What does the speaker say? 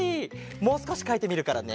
もうすこしかいてみるからね。